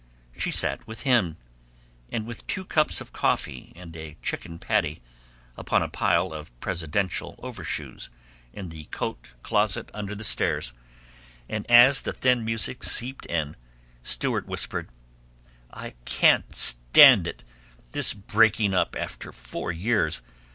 She sat with him, and with two cups of coffee and a chicken patty, upon a pile of presidential overshoes in the coat closet under the stairs, and as the thin music seeped in, Stewart whispered: "I can't stand it, this breaking up after four years!